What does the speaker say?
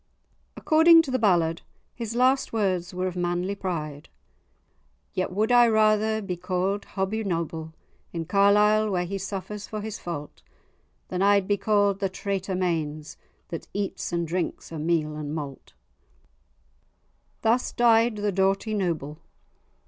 According to the ballad, his last words were of manly pride:— "Yet wad I rather be ca'd Hobbie Noble, In Carlisle, where he suffers for his fault, Than I'd be ca'd the traitor Mains, That eats and drinks o' meal and malt." Thus died the doughty Noble.